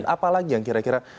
dan apalagi yang kira kira